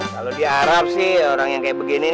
kalau di arab sih orang yang kayak begini